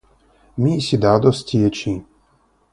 Mi sidados tie ĉi.